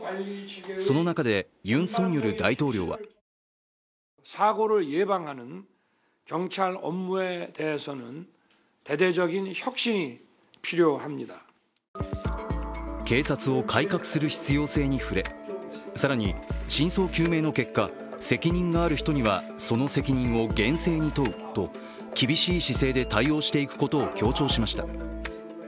その中で、ユン・ソンニョル大統領は警察を改革する必要性に触れ更に、真相究明の結果、責任がある人にはその責任を厳正に問うと、厳しい姿勢で対応していくことを強調しました。